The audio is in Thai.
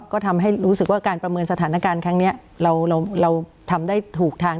ก็ทำให้รู้สึกว่าการประเมินสถานการณ์ครั้งนี้เราทำได้ถูกทาง